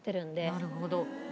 なるほど。